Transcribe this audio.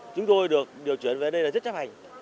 chúng tôi được điều chuyển về đây là rất chấp hành